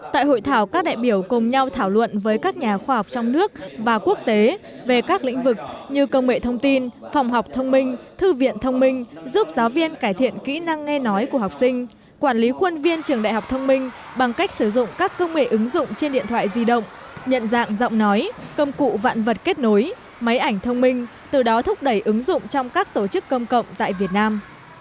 tại hội thảo các đại biểu cùng nhau thảo luận với các nhà khoa học trong nước và quốc tế về các lĩnh vực như công nghệ thông tin phòng học thông minh thư viện thông minh giúp giáo viên cải thiện kỹ năng nghe nói của học sinh quản lý khuôn viên trường đại học thông minh bằng cách sử dụng các công nghệ ứng dụng trên điện thoại di động nhận dạng giọng nói công cụ vạn vật kết nối máy ảnh thông minh từ đó thúc đẩy ứng dụng trong các tổ chức công cộng tại việt nam